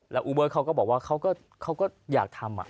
แล้วอูเบิร์ตเขาก็บอกว่าเขาก็อยากทำ